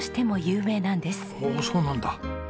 おっそうなんだ。